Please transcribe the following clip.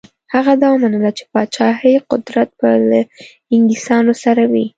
هغه دا ومنله چې پاچهي قدرت به له انګلیسیانو سره وي.